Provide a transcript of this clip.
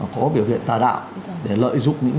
có biểu hiện tà đạo để lợi dụng những